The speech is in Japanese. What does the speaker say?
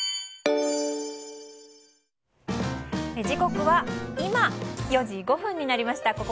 時刻は今、４時５分になりました。